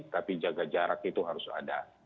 tapi jaga jarak itu harus ada